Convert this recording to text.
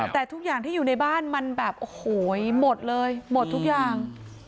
แต่ทุกอย่างที่อยู่ในบ้านมันแบบโอ้โหหมดเลยหมดทุกอย่าง